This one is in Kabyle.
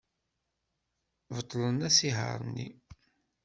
Beṭlen asihaṛ-nni.